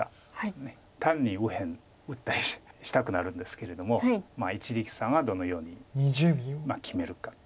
単に右辺打ったりしたくなるんですけれども一力さんはどのように決めるかという。